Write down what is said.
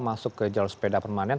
masuk ke jalur sepeda permanen